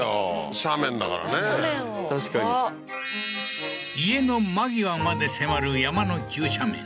斜面を確かに家の間際まで迫る山の急斜面